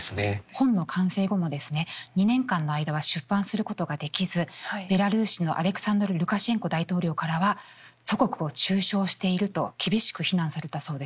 本の完成後もですね２年間の間は出版することができずベラルーシのアレクサンドル・ルカシェンコ大統領からは祖国を中傷していると厳しく非難されたそうです。